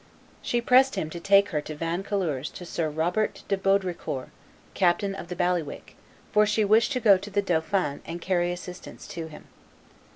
She pressed him to take her to Vaucouleurs to Sire Robert de Baudricourt, captain of the bailiwick, for she wished to go to the dauphin and carry assistance to him.